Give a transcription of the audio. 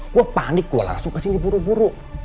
gue panik gue langsung kesini buru buru